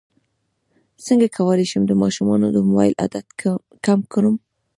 څنګه کولی شم د ماشومانو د موبایل عادت کم کړم